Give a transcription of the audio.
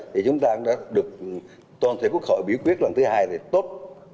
thì chúng ta cũng đã được toàn thể quốc hội biểu quyết lần thứ hai này tốt